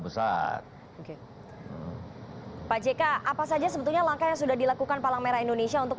besar oke pak jk apa saja sebetulnya langkah yang sudah dilakukan palang merah indonesia untuk